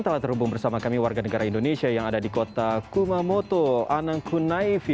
telah terhubung bersama kami warga negara indonesia yang ada di kota kumamoto anang kunaifi